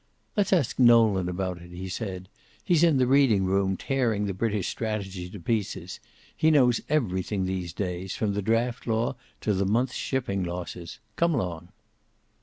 "Let's ask Nolan about it," he said. "He's in the reading room, tearing the British strategy to pieces. He knows everything these days, from the draft law to the month's shipping losses. Come along."